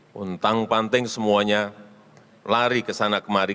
pun tang panting semuanya lari ke sana kemari